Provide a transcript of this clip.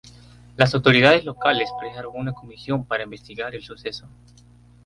Las autoridades locales crearon una comisión para investigar el suceso.